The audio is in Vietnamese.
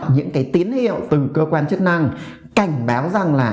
những cái tín hiệu từ cơ quan chức năng cảnh báo rằng là